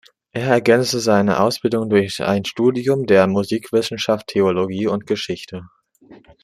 Er ergänzte seine Ausbildung durch ein Studium der Musikwissenschaft, Theologie und Geschichte.